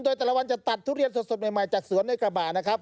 โดยแต่ละวันจะตัดทุเรียนสดใหม่จากสวนในกระบะนะครับ